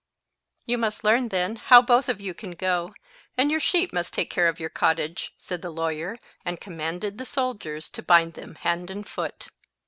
"You must learn, then, how both of you can go, and your sheep must take care of your cottage," said the lawyer, and commanded the soldiers to bind them hand and foot.